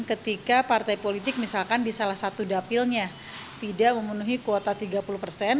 ketika partai politik misalkan di salah satu dapilnya tidak memenuhi kuota tiga puluh persen